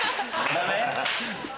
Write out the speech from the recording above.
ダメ？